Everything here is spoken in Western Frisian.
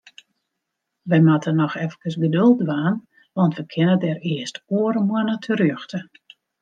Wy moatte noch eefkes geduld dwaan, want we kinne dêr earst oare moanne terjochte.